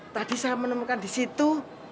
tadi saya menemukan di situ